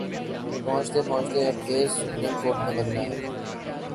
پہنچتے پہنچتے اب کیس سپریم کورٹ میں لگناہے۔